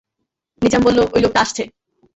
নিজাম বলল, ঐ লোকটা আসছে।